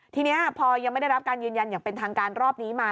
ทีนี้พอยังไม่ได้รับการยืนยันอย่างเป็นทางการรอบนี้มา